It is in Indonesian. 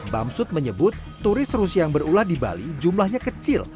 bamsud menyebut turis rusia yang berulah di bali jumlahnya kecil